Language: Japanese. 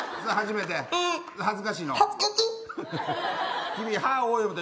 初めて、恥ずかしいの。